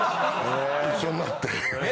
一緒になって。